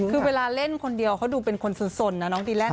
คือเวลาเล่นคนเดียวเขาดูเป็นคนสนนะน้องดีแลนด